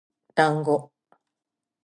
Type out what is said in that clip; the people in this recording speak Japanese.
だんご